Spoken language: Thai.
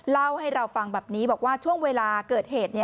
เล่าให้เราฟังแบบนี้บอกว่าช่วงเวลาเกิดเหตุ